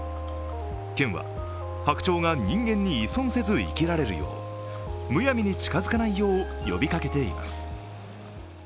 県はハクチョウが人間に依存せず生きられるようむやみに近づかないよう呼びかけています。